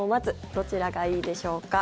どちらがいいでしょうか？